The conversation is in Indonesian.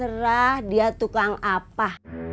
terserah dia tukang apa